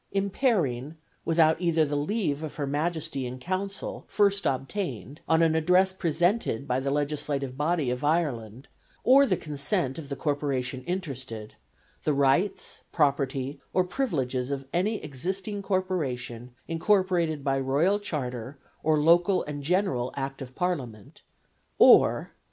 Impairing, without either the leave of Her Majesty in Council first obtained on an address presented by the legislative body of Ireland, or the consent of the corporation interested, the rights, property, or privileges of any existing corporation incorporated by royal charter or local and general Act of Parliament; or "(6.)